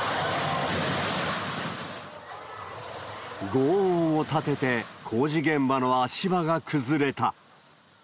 ごう音を立てて工事現場の足場が崩れた。